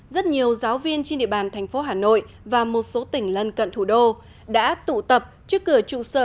rất nhiều giáo viên trên địa bàn tp hcm và một số tỉnh lân cận thủ đô đã tụ tập trước cửa trụ sở